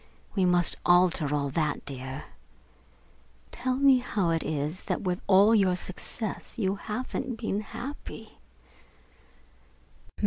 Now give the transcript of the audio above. We must alter all that, dear. Tell me how it is that with all your success you haven't been happy?"